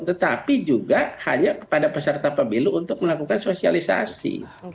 tetapi juga hanya kepada peserta pemilu untuk melakukan sosialisasi